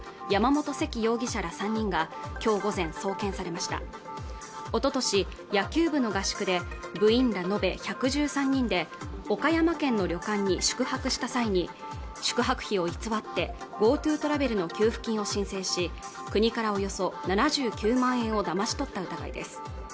山本セキ容疑者ら３人が今日午前送検されましたおととし野球部の合宿で部員ら延べ１１３人で岡山県の旅館に宿泊した際に宿泊費を偽ってＧｏＴｏトラベルの給付金を申請し国からおよそ７９万円をだまし取った疑いです